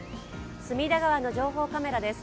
隅田川の情報カメラです。